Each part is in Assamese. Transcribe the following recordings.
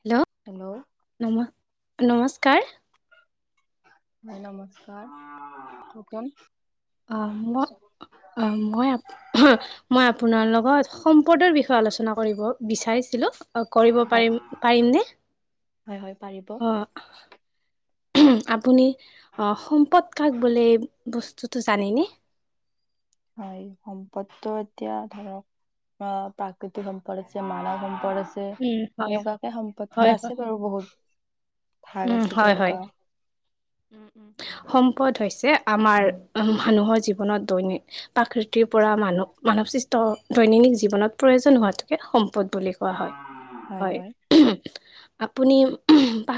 Hello hello. নম, নমস্কাৰ নমস্কাৰ, কোন? অ', মই, অ', মই মই আপোনাৰ লগত সম্পদৰ বিষয়ে আলোচনা কৰিব বিচাৰিছিলোঁ, কৰিব হয় পাৰিম, পাৰিমনে? হয়, হয়, পাৰিব। অঁ আপুনি সম্পদ কাক বোলে, বস্তুটো জানেনে? হয়, সম্পদটো এতিয়া ধৰক অ', প্ৰাকৃতিক সম্পদ আছে, মানৱ সম্পদ আছে উম হয় এনেকুৱাকে হয় সম্পদ্তো হয় আছে বাৰু বহুত ভাগ উম, আছে হয়, হয়। তেনেকুৱা সম্পদ হৈছে আমাৰ, মানুহৰ জীৱনত দৈনিক প্ৰাকৃতিৰ পৰা মানৱ মানৱ সৃষ্ট দৈনন্দিন জীৱনত প্ৰয়োজন হোৱাটোকে সম্পদ বোলে। হয় হয় আপুনি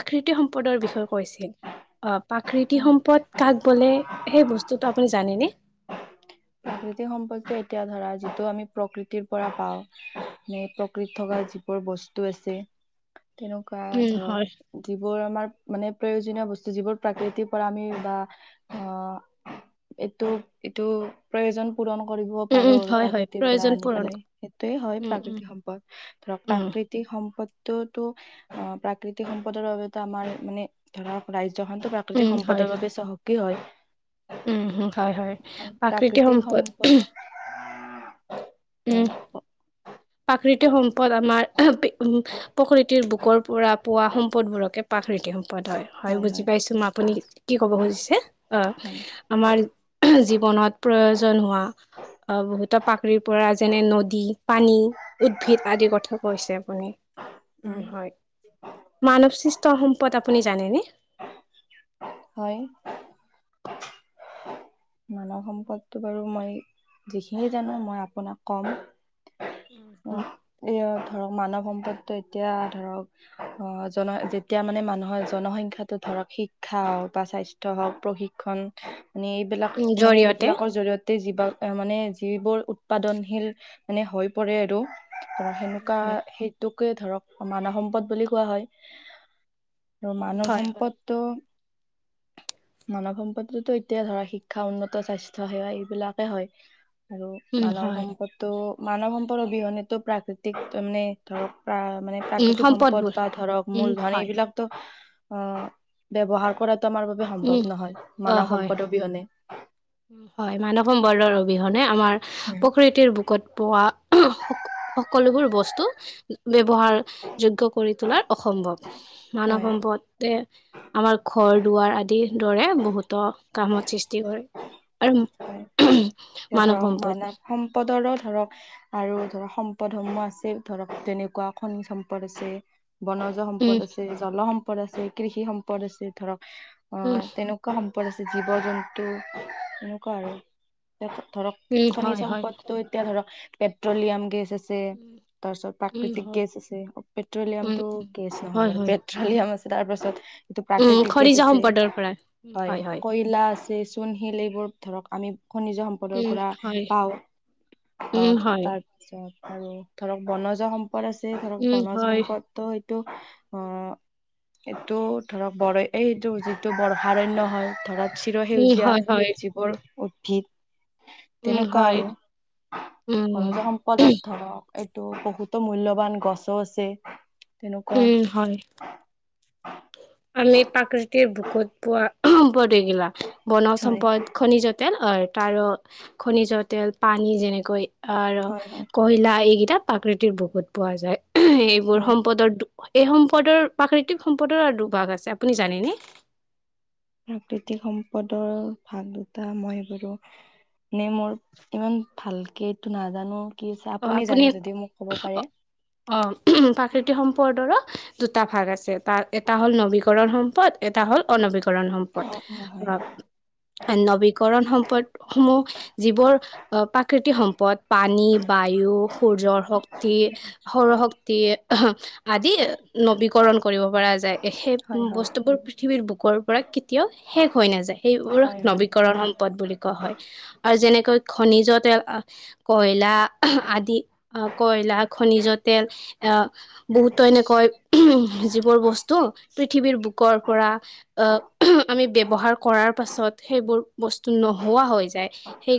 প্ৰাকৃতি সম্পদৰ বিষয়ে কৈছিল প্ৰাকৃতি হয় সম্পদ কাক বোলে সেই বস্তুটো আপুনি জানেনে? প্ৰাকৃতিক সম্পদটো এতিয়া ধৰা যিটো আমি প্ৰকৃতিৰ পৰা পাও ম প্ৰকৃতি থকা বস্তু আছে তেনেকুৱা উম, হয়। ধৰক যিবোৰ আমাৰ মানে প্ৰয়োজনীয় বস্তু যিবোৰ প্ৰাকৃতিৰ পৰা আমি বা অ এইটো এইটো প্ৰয়োজন পূৰণ কৰিব উম, পাৰো উম, আৰু হয়, হয়। প্ৰাকৃতিৰ পৰা প্ৰয়োজন আনি পূৰণ পেলাই ক সেইটোয়েই হয় উম, উম, প্ৰাকৃতিক সম্পদ। ধৰক উম, প্ৰাকৃতিক সম্পদতটো টো অ প্ৰাকৃতিক সম্পদৰ বাবেতো আমাৰ মানে ধৰক ৰাজ্য খনতো উম, প্ৰাকৃতিক হয়। সম্পদৰ বাবে চহকী হয়। উম হয় হয় প্ৰাকৃতিক সম্পদ হয় প্ৰাকৃতি সম্পদ আমাৰ উ প্ৰকৃতিৰ বুকৰ পৰা পোৱা সম্পদ বোৰকে পাকনীতি সম্পদ হয় হয় বুজি পাইছোঁ মই আপুনি কি ক'ব খুজিছে অ হয় আমাৰ জীৱনত প্ৰয়োজন হোৱা অ বহুত পাকৰিৰ পৰা যেনে নদী পানী উদ্ভিদ আদিৰ কথা কৈছে আপুনি উ হয় মানৱ সৃষ্ট সম্পদ আপুনি জানেনে হয় মানৱ সম্পদটো বাৰু মই যিখিনিয়ে জানো মই আপোনাক কম অ এ ধৰক মানৱ সম্পদটো এতিয়া ধৰক অ জন যেতিয়া মানে মানুহৰ জনসংখ্যটো ধৰক শিক্ষা বা স্বাস্থ্য ত হওক প্ৰশিক্ষণ মে এইবিলাক উম মানে জৰিয়তে এইবিলাকৰ জৰি়য়তে যা মানে যিবোৰ উৎপাদনশীল মানে হৈ পৰে আৰু ধৰ সেনেকুৱা হয় সেইটোকে ধৰক মানৱ সম্পদ বুলি কোৱা হয়। আৰু মানৱ হয় হয় সম্পদটো মানৱ সম্পদতো এতিয়া ধৰা শিক্ষা শিক্ষা উন্নত স্বাস্থ্য সেৱা এইবিলাকে হয় আৰু উম মানৱ হয় সম্পদ ত' মানৱ সম্পদ অবিহনে তো প্ৰাকৃতিক মানে ধৰক প্ৰ মানে উম প্ৰাকৃতিক সম্পদ সম্পদবোৰ বা ধৰক উম মূলধন হয় এইবিলাক অ ব্যৱহাৰ কৰাতটো আমাৰ বাবে সম্ভৱ উম নহয় অ মানৱ হয় সম্পদ হয় অবিহনে হয় মানৱ সম্বৰ্দৰ অবিহনে আমাৰ হয় প্ৰকৃতিৰ বুকত পোৱা স সকলোবোৰ বস্তু ব্যৱহাৰ যোগ কৰি তোলাৰ অসম্ভৱ মানৱ হয় সম্পদ তে আমাৰ ঘৰ দুৱাৰ আদিৰ দৰে বহুতো কামত সৃষ্টি কৰে হয় আৰু মানৱ সম্পদ পদৰো ধৰক আৰু ধৰক সম্পদসমূহ আছে ধৰক তেনেকুৱা খনিজ সম্পদ আছে বন উম সম্পদ আছে জল সম্পদ আছে কৃষি সম্পদ আছে ধৰক অ উম তেনেকুৱা এনেকুৱা সম্পদ আছে জীৱ জন্তু এনেকুৱা আৰু ধৰক উম খনি হয় হয় সম্পদটো এতিয়া ধৰক পেট্ৰলিয়াম গেছ আছে আছে উম তাৰ পিছত উম প্ৰাকৃতিক হয় গেছ আছে পেট্ৰলিয়াম উম টো উম গেছ নহয় হয় মানে হয় পেট্ৰলিয়াম আছে তাৰ পাছত এইটো উম প্ৰাকৃতি গেছ খৰিজা আছে সম্পদৰ পৰা উম হয় কয়লা আছে চূণ শিল এইবোৰ ধৰক আমি খনিজ সম্পদৰ উম পৰা হয় পাওঁ উম আহ হয় তাৰ [unintelligible] আৰু ধৰক বনজ সম্পদ আছে ধৰক উম বনজ হয় সম্পদ ত' এইটো অ' এইটো ধৰক বৰ এইটো যিটো বৰ্ষাৰণ্য হয় ধৰক উম হয় হয় চিৰসেউজীয়া যিবোৰ উদ্ভিদ উম তেনেকুৱা হয় আৰু, উম বনজ সম্পদত ধৰক এইটো বহুতো মূল্যৱান গছও আছে। তেনেকুৱা উম, হয়। আমি প্ৰাকৃতিৰ বুকুত পোৱা প্ৰতিগিলা বনজ হয় সম্পদ খনিজ তেল অ', তাৰ খনিজ তেল পানী যেনেকৈ আৰু হয় হয় কয়লা এইকেইটা প্ৰাকৃতিৰ বুকুত পোৱা যায়। এইবোৰ হয় সম্পদৰ তো এই সম্পদৰ, প্ৰাকৃতিক সম্পদৰ আৰু দুভাগ আছে আপুনি জানেনে? প্ৰাকৃতিক সম্পদৰ ভাগ দুটা মই বাৰু নে মোৰ ইমান ভালকে এইটো নাজানো, কি চা আপুনি জানে যদিও মোক ক'ব পাৰে। অ', প্ৰাকৃতিক সম্পদৰো দুটা ভাগ আছে তাৰ এটা হ'ল নবীকৰণ সম্পদ এটা হ'ল অনবীকৰণ সম্পদ, অ অ হয় আ নৱীকৰণ সম্পদ সমূহ, যিবোৰ অ', প্ৰাকৃতিক সম্পদ পানী বায়ু, সূৰ্যৰ শক্তি, সৌৰশক্তি আদি নবীকৰণ কৰিব পৰা যায়, সেই হয় হয় বস্তুবোৰ পৃথিৱীৰ বুকৰ পৰা কেতিয়াও শেষ হৈ নাযায়, সেইবোৰক হয় হয় নৱীকৰণ সম্পদ বুলি ক কোৱা হয় আৰু যেনেকৈ খনিজত তেল‌‌, আ কয়লা আদি। অ', কয়লা, খনিজ তেল আ বহুতো এনেকৈ যিবোৰ বস্তু পৃথিৱীৰ বুকৰ পৰা অ', আমি ব্যৱহাৰ কৰাৰ পাছত সেইবোৰ বস্তু নোহোৱা হৈ যায়।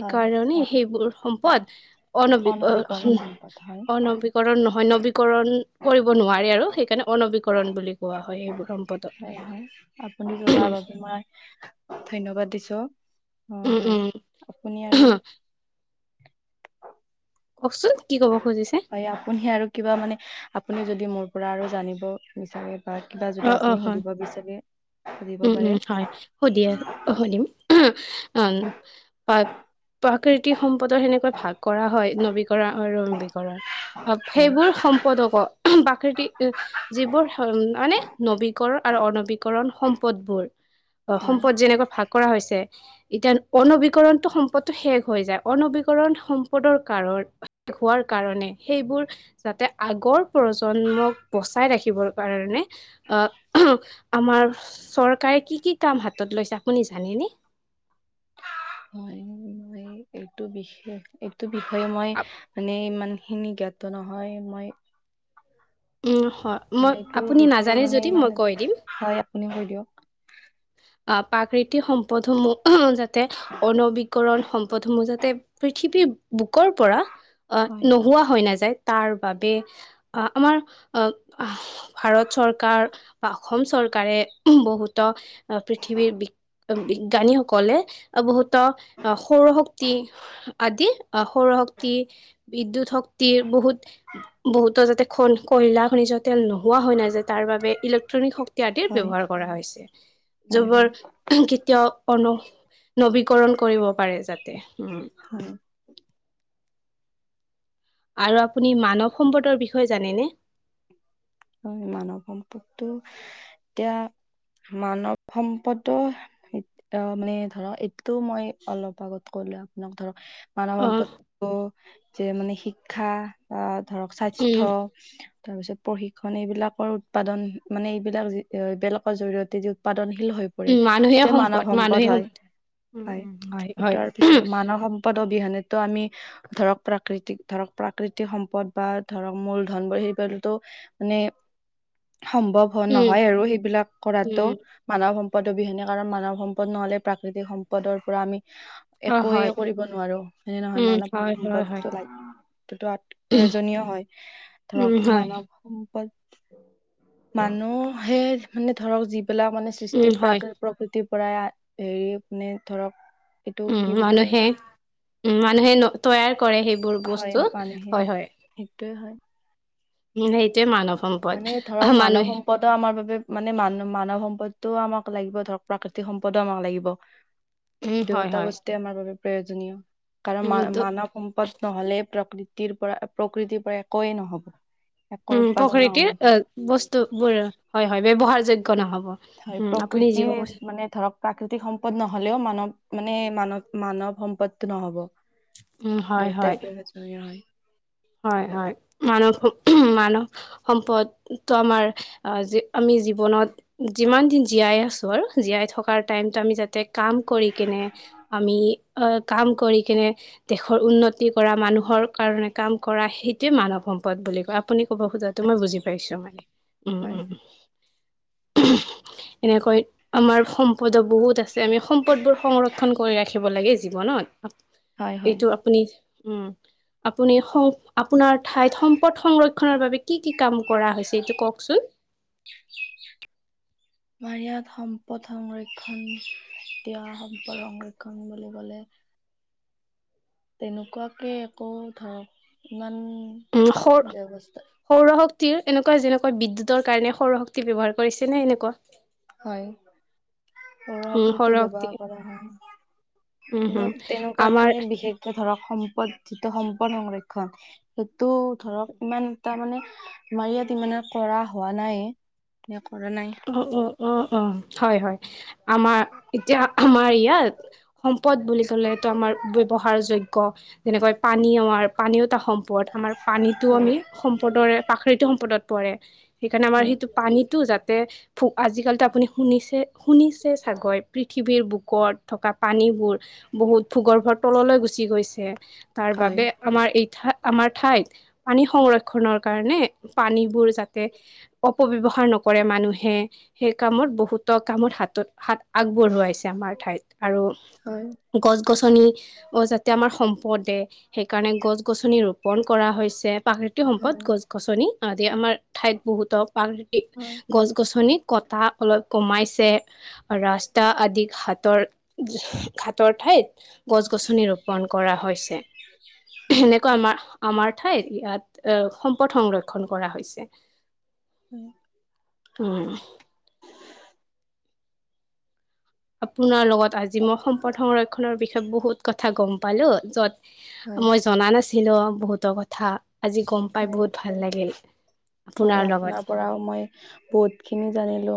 হয় সেইবোৰ সম্পদ অনবি কৰ অনবীকৰণ সম্পদ হয় অনবি কৰণ নহয়, নবীকৰণ কৰিব নোৱাৰে আৰু সেইকাৰণে অনৱীকৰণ বুলি কোৱা হয়, এইবোৰ সম হয়, হয়, আপুনি জনোৱাৰ বাবে মই ধন্যবাদ দিছো। অ', উম হয়, উম আপুনি আৰু কওকচোন, কি ক'ব খুজিছে? হয় আপুনি আৰু কিবা মানে আপুনি যদি মোৰ পৰা আৰু জানিব বিচাৰে হয়, কিবা অ যদি, অ আপুনি হয়। সুধিব বিচাৰে সুধিব উম পাৰে অন [unintelligible] প্ৰাকৃতিক সম্পদৰ সেনেকৈ ভাগ কৰা হয় নৱীকৰণ আৰু নৱীকৰণ। অ', হয় সেইবোৰ সম্পদক' প্ৰাকৃতি যিবোৰ মানে নবীকৰণ আৰু অনবীকৰণ সম্পদবোৰ হয় সম্পদ যেনেকৈ ভাগ কৰা হৈছে এতিয়া অনবীকৰণটো সম্পদটো শেষ হৈ যায়, অনবীকৰণ সম্পদৰ কাৰণ হোৱাৰ কাৰণে সেইবোৰ যাতে, আগৰ প্ৰজন্মক বচাই ৰাখিবৰ কাৰণে অ', আমাৰ চৰকাৰে কি, কি কাম হাতত লৈছে আপুনি জানেনে? হয়, মই এইটো বিষে এইটো বিষয়ে মই মানে ইমান হিনি জ্ঞাত নহয়, মই উম, হয়, মই এইটো আপুনি বিষয়ে নাজানে মানে যদি ইমান মই কৈ দিম। হয় আপুনি কৈ দিয়ক। আ প্ৰাকৃতিক সম্পদসমূহ যাতে অনবীকৰণ সম প্ৰথম বযাতে পৃথিৱীৰ বুকৰ পৰা আ হয় নোহোৱা হৈ নাযায়। তাৰ বাবে আ আমাৰ আ ভাৰত চৰকাৰ বা অসম চৰকাৰে বহুতক বিজ্ঞানীসকলে বহুতত সৌৰশক্তি আদি। আ সৌৰশক্তি। বিদ্যুত শক্তিৰ বহুত বহুতো যাতে কয়লা খনিজ তেল নোহোৱা হয় নাযায়। তাৰ বাবে ইলেক্ট্ৰনিক শক্তি আদিৰ হয় ব্যৱহাৰ কৰা হৈছে। হয় যবৰ হয় কেতিয়াও নৱীকৰণ কৰিব পাৰে যাতে উম। হয় আৰু আপুনি মানৱ সম্পদৰ বিষয়ে জানেনে। হয় মানৱ সম্পদটো এতিয়া মানৱ সম্পদৰ। অ মানে ধৰ এইটো মই অলপ আগত কলো আপোনাক ধৰক। মানৱ অ' সম্পত যে মানে শিক্ষা বা ধৰক স্বাস্থ্য। উম, তাৰ পিছত পঢ়ি মানে এইবিলাকৰ উৎপাদন মানে এইবিলাক এইবিলাকৰ জৰি়য়তে যি উৎপাদনশীল হৈ পৰে উম মানুহে এইটোৱে মানৱ সম্পদ মানুহে হয়। উম, হয়, উম হয়। তাৰ পিছত মানৱ সম্প পদ অবিহনেটো আমি ধৰক প্ৰাকৃতিক, ধৰক প্ৰাকৃতিক সম্পদ বা ধৰক মূলধনবোৰ সেইবোৰতো মানে সম্ভৱ হ' উম, উম, নহয় আৰু সেইবিলাক কৰাতো। উম মানৱ সম্পদ অবিহনে কাৰণ মানৱ সম্পদ নহ'লে প্ৰাকৃতিক সম্পদৰ পৰা আমি অ' একোৱে হয়, কৰিব নোৱাৰো হয় নহয় উম মানব হয়, হয়, হয়, সম্পদটো লাগ এইতোটো প্ৰয়োজনীয় হয় উম ধৰক হয়, মানৱ সম্প মানুহে মানে ধৰক যিবিলাক মানে উম সৃষ্টি হয়। প্ৰাকৃ প্ৰকৃতিৰ পৰাই হেৰি মানে ধৰক। এইটো উম কি বুলি মানুহে উম মানুহে তৈয়াৰ কৰে সেইবোৰ বস্তু হয় হয়। সেইটোৱে হয়। সেইটোৱে মানৱ মানে সম্পদ ধৰক মানৱ মানুহে সম্পদো আমাৰ বাবে মানে মান মানৱ সম্পদটোও আমাক লাগিব ধৰক প্ৰাকৃতিক সম্পদো আমাক লাগিব। উম হয়, দুয়োটা হয়। বস্তুএ আমাৰ বাবে প্ৰয়োজনীয়, কাৰণ উম, মা ত মানৱ সম্পদ নহ'লে, প্ৰকৃতিৰ পৰা প্ৰকৃতিৰ পৰা একোৱে নহ'ব। একো উম। উৎপাদন নহ'ব প্ৰকৃতিৰ বস্তু বোৰ হয় হয় পাৰে। ব্যৱহাৰযোগ্য নহ'ব। হয় উম, আপুনি যি প্ৰকৃতিৰ ক'ব মানে ধৰক প্ৰাকৃতিক সম্পদ নহ'লেও মানৱ মানে মানৱ মানৱ সম্পদটো নহ'ব। উম, হয়, হয়, দুয়োটাই প্ৰয়োজনীয় হয়। হয় হয় মানৱ মানৱ সম্পদটো আমাৰ আমি জীৱনত যিমান দিন জীয়াই আছো আৰু জীয়াই থকাৰ টাইমতটো আমি যাতে কাম কৰি কিনে আমি অ কাম কৰি কেনে, দেশৰ উন্নতি কৰা মানুহৰ কাৰণে কাম কৰা সেইটোৱে মানৱ সম্পদ বুলি কয়, আপুনি ক'ব খোজাটো মই বুজি পাইছোঁ মানে। উম! হয় উম! এনেকৈ আমাৰ সম পদ বহুত আছে আমি সম্পদবোৰ সংৰক্ষণ কৰি ৰাখিব লাগে, জীৱনত হয় হয়। এইটো আপুনি। আপুনি আপোনাৰ ঠাইত সম্পদ সংৰক্ষণৰ বাবে কি কি কাম কৰা হৈছে এইটো কওঁকচোন। আমাৰ ইয়াত সম্পদ সংৰক্ষণ এতিয়া সম্পদ সংৰক্ষণ বুলি ক'লে তেনেকুৱাকে একো ধৰক ইমান উম! সৌৰ ব্যৱস্থা সৌৰ শক্তিৰ এনেকুৱা যেনেকুৱা বিদ্যুতৰ কাৰণে সৌৰ শক্তি ব্যৱহাৰ কৰিছে নে এনেকুৱা? হয়। উম সৌৰ পৰসক্ৰিটো শক্তি ব্যৱহাৰ কৰা হয়। উম হম বাট আমাৰ তেনেকুৱাকে বিশেষ এ ধৰক সম্পদ যিটো সম্পদ সংৰক্ষণ, সেইটো ধৰক ইমান তাৰমানে, আমাৰ ইয়াত ইমানে কৰা হোৱা নাই। নে কৰা নাই উ উ অ' অ'। হয় হয়। আমাৰ এতিয়া আমাৰ ইয়াত সম্পদ বুলি ক'লে ইটো আমাৰ ব্যৱহাৰ যোগ্য যেনেকে পানী আমাৰ পানীও'টা সম্পদ আমাৰ পানীটো হয় আমি সম্পদৰে প্ৰাকৃতি সম্পদত পৰে। সেইকাৰণে আমাৰ হয় সেইটো পানীটো যাত তে ফু আজিকালিতো আপুনি শুনিছে- শুনিছে ছাগৈ পৃথিৱীৰ বুকত থকা পানীবোৰ বহুত ভূগৰ্ভৰ তললৈ গুচি গৈছে, তাৰ হয় বাবে আমাৰ এইঠা- আমাৰ ঠাইত পানী সংৰক্ষণৰ কাৰণে পানীবোৰ যাতে অপব্যৱহাৰ নকৰে মানুহে সেই কামত বহুতো কামত হাতত হাত আগবঢ়োৱাইছে আমাৰ ঠাইত আৰু হয়। গছ-গছনি, অ যাতে আমাৰ সম্পদে- সেইকাৰণে গছ-গছনি ৰূপ- পন কৰা হৈছে, প্ৰাকৃতিক সম্পদ হয় গছ-গছনি আদি আমাৰ ঠাইত বহুত [unintelligible] হয় ছৰি কটা অলপ কমাইছে। ৰাস্তা আদি ঘাটৰ- ঘাটৰ ঠাইত গছ-গছনি ৰোপন কৰা হৈছে। হয় হয় এনেকুৱা আমা-আমাৰ ঠাই এ সম্পদ সংৰক্ষণ কৰা হৈছে। [unintelligible] উম্। আপোনাৰ লগত আজি মই সম্পদ সংৰক্ষনৰৰ বিষয়ে বহুত কথা গ'ম পালো, য'ত হয় মই জনা নাছিলো বহুত' কথা, আজি গম পাই হয় বহুত ভাল লাগিল। হয় আপোনাৰ পৰাও মই বহুত খিনি জানিলো।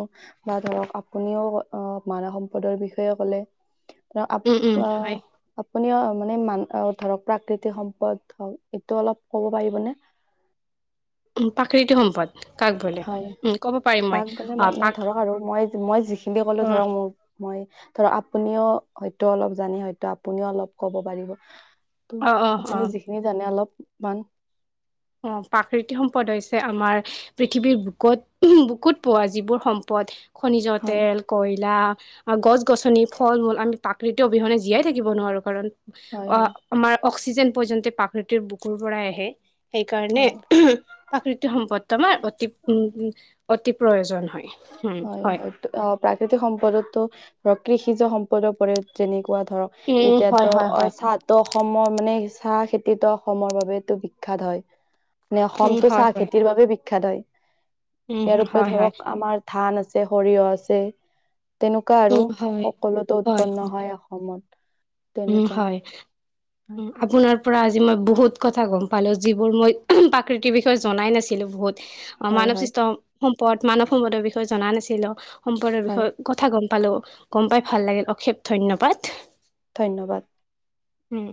বা ধৰক আপুনিও অ, মানৱ সম্পদৰ বিষয়ে ক'লে। ৰ আপ, উম উম হয় অ'। আপুনি অ মানে মান ধৰক প্ৰাকৃতিক সম্পদ হওক এইটো অলপ ক'ব পাৰিবনে? প্ৰাকৃতিক সম্পদ? কাক বোলে হয়। উম ক'ব পাৰিম মই কাক মানে অ মানে পাক ধৰক আৰু মই মই যিখিনি কলো অ ধৰক মোৰ মই, ধৰ আপুনিও হয়তো অলপ জানে হয়তো আপুনিও অলপ ক'ব পাৰিব। ত' অ অ অ আপুনি যিখিনি জানে অলপমান অ' প্ৰাকৃতিক সম্পদ হৈছে আমাৰ পৃথিৱীৰ বুকত, বুকুত পোৱা যিবোৰ সম্পদ খনিজ' হয় তেল, কইলা আৰু গছ-গছনি, ফল-মূল আমি প্ৰাকৃতি অবিহনে জীয়াই থাকিব নোৱাৰো কাৰণ- হয় হয় অ' আমাৰ অক্সিজেন পৰ্যন্ত প্ৰাকৃতিক বুকুৰ পৰাই আহে সেইকাৰণে হয় প্ৰাকৃতিক সম্পদটো আমাৰ অতি উ' অতি প্ৰয়োজন হয়। হয় হয়। অ প্ৰাকৃতিক সম্পদতো, ধক কৃষিজ সম্পদৰ ফলত যেনেকুৱা ধৰক উম হয় এতিয়াতো হয় অ হয় চাত ত অসমৰ মানে চাহ খেতিটো অসমৰ বাবেটো বিখ্যাত হয়। উম অসমতটো হয় চাহ হয় খেতিৰ বাবে বিখ্যাত হয়। উম ইয়াৰপৰি হয় হয় ধৰক আমাৰ ধান আছে, সৰিয়হ আছে, তেনেকুৱা আৰু- উম হয় সকলোতে উৎপন্ন হয়। অসমত উম, তেনেকুৱা হয়। হয় আপোনাৰ পৰা আজি মই বহুত কথা গম পালো যিবোৰ মই প্ৰাকৃতিৰ বিষয়ে জনাই নাছিলো বহুত। অ', হয় মানৱ হয় সৃষ্ট সম্পদ মানৱ সম্পদৰ বিষয়ে জনা নাছিলো সম্পদৰ হয় বিষয়ে কথা গম পালোঁ গম পাই ভাল লাগিল অশেষ ধন্যবাদ ধন্যবাদ। উম।